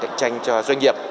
cạnh tranh cho doanh nghiệp